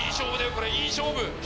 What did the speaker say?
これいい勝負。